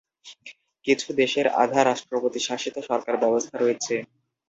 কিছু দেশে আধা-রাষ্ট্রপতিশাসিত সরকার ব্যবস্থা রয়েছে।